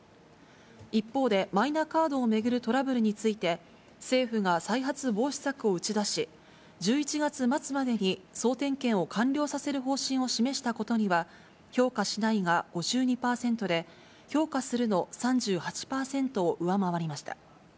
一方で、マイナカードを巡るトラブルについて、政府が再発防止策を打ち出し、１１月末までに総点検を完了させる方針を示したことには、評価しないが５２％で、評価するの３８％を上回りました。